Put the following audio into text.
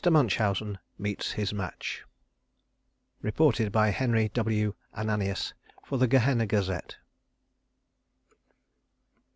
MUNCHAUSEN MEETS HIS MATCH (Reported by Henry W. Ananias for the Gehenna Gazette.)